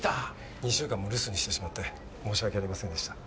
２週間も留守にしてしまって申し訳ありませんでした。